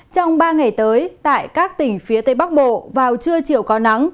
trong ba ngày tới tại các tỉnh phía tây bắc bộ vào trưa chiều có nắng